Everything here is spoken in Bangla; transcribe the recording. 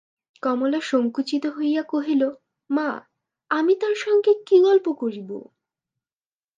কমলা সংকুচিত হইয়া কহিল, মা, আমি তাঁর সঙ্গে কী গল্প করিব!